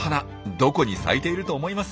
どこに咲いていると思います？